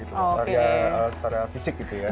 secara fisik gitu ya